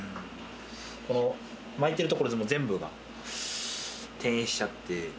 この巻いている所、全部が転移しちゃって。